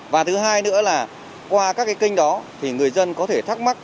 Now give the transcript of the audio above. và thứ hai nữa là qua các cái kênh đó thì người dân có thể thắc mắc